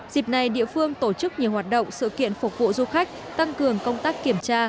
dịp này địa phương tổ chức nhiều hoạt động sự kiện phục vụ du khách tăng cường công tác kiểm tra